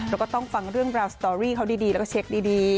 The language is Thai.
แล้วก็ต้องฟังเรื่องราวสตอรี่เขาดีแล้วก็เช็คดี